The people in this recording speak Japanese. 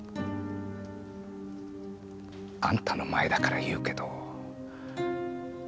あんたの前だから言うけど。